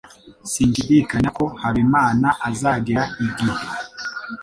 Sinshidikanya ko Habimana azagera igihe.